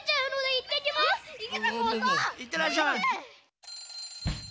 いってらっしゃい。